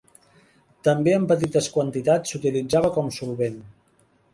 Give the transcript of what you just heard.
També en petites quantitats s'utilitza com solvent.